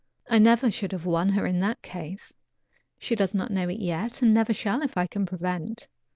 I never should have won her in that case. She does not know it yet, and never shall if I can prevent.